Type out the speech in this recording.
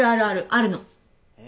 あるの。え。